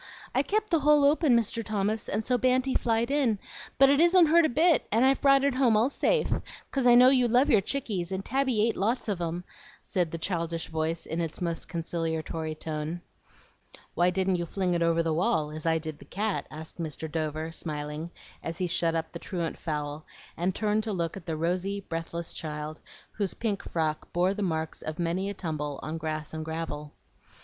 I kept the hole open, Mr. Thomas, and so Banty flied in. But it isn't hurt a bit, and I've brought it home all safe, 'cause I know you love your chickies, and Tabby ate lots of 'em," said the childish voice in its most conciliatory tone. "Why didn't you fling it over the wall, as I did the cat?" asked Mr. Dover, smiling, as he shut up the truant fowl, and turned to look at the rosy, breathless child, whose pink frock bore the marks of many a tumble on grass and gravel.